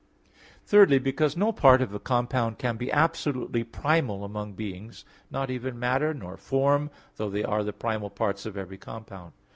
Thirdly, because no part of a compound can be absolutely primal among beings not even matter, nor form, though they are the primal parts of every compound.